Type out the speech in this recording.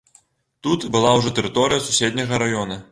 Тут была ўжо тэрыторыя суседняга раёна.